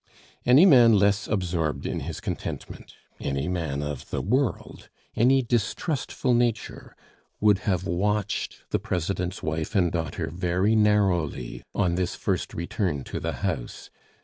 Any man less absorbed in his contentment, any man of the world, any distrustful nature would have watched the President's wife and daughter very narrowly on this first return to the house.